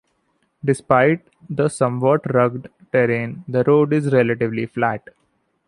Despite the somewhat rugged terrain, the road is relatively flat.